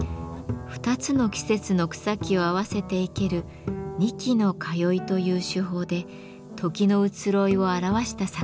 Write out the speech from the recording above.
二つの季節の草木を合わせていける「二季の通い」という手法で時の移ろいを表した作品です。